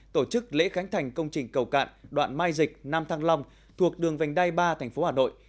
tổ chức lễ khánh thành công trình cầu cạn đoạn mai dịch nam thăng long thuộc đường vành đai ba tp hà nội